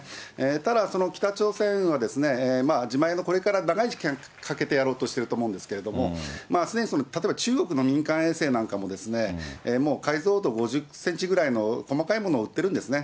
ただその北朝鮮は、自前の、これから長い時間かけてやろうとしてると思うんですけど、すでにその例えば中国の民間衛星なんかも、もう解像度５０センチぐらいの細かいものをうってるんですね。